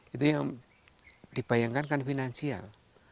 itu yang dibayangkan kan finansial